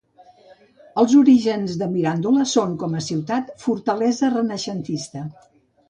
Els orígens de Mirandola són com a ciutat-fortalesa renaixentista.